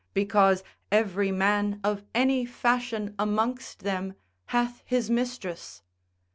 Because every man of any fashion amongst them hath his mistress.